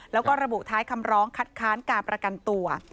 แล้วก็ระบุท้ายคำร้องคัดค้านการประกันตัว